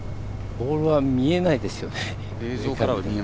ボールは見えないですよね。